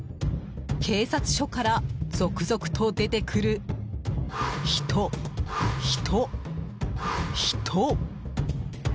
警察署から続々と出てくる人、人、人。